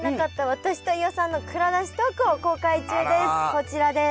こちらです。